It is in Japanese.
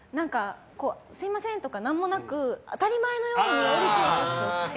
すみませんとか何もなく当たり前のように降りていく人。